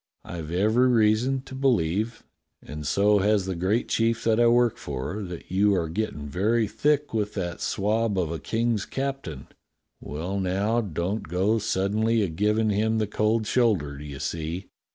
I've every reason to be lieve, and so has the great chief that I work for, that you are gettin' very thick with that swab of a King's captain. Well, now, don't go suddenly a givin' him the cold shoulder, do you see?